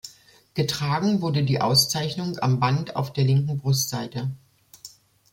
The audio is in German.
Getragen wurde die Auszeichnung am Band auf der linken Brustseite.